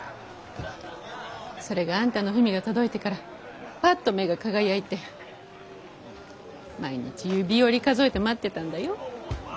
それがあんたの文が届いてからパッと目が輝いて毎日指折り数えて待ってたんだよ。